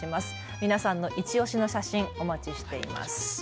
皆さんのいちオシの写真お待ちしています。